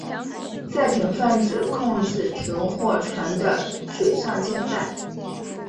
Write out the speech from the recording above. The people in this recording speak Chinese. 赛艇泛指控制艇或船的水上竞赛。